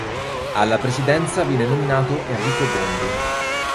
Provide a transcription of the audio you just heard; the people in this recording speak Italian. Alla presidenza viene nominato Enrico Bondi.